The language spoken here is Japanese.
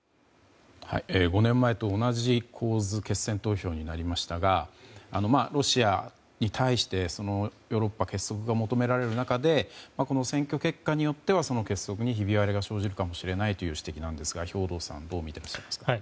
５年前と同じ構図決選投票になりましたがロシアに対して、ヨーロッパ結束が求められる中でこの選挙結果によってはその結束にひび割れが生じるかもしれないという指摘なんですが、兵頭さんはどう見てらっしゃいますか。